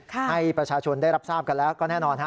ให้ประชาชนได้รับทราบกันแล้วก็แน่นอน